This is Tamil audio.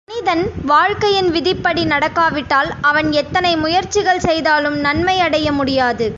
மனிதன் வாழ்க்கையின் விதிப்படி நடக்காவிட்டால், அவன் எத்தனை முயற்சிகள் செய்தாலும் நன்மையடைய முடியாது.